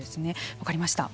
分かりました。